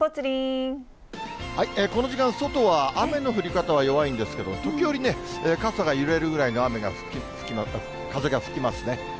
この時間、外は雨の降り方は弱いんですけど、時折、傘が揺れるぐらいの風が吹きますね。